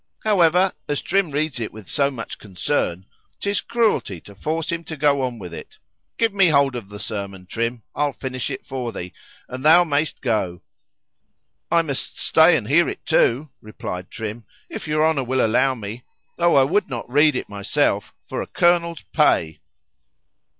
—However, as Trim reads it with so much concern,—'tis cruelty to force him to go on with it.—Give me hold of the sermon, Trim,—I'll finish it for thee, and thou may'st go. I must stay and hear it too, replied Trim, if your Honour will allow me;—tho' I would not read it myself for a Colonel's pay.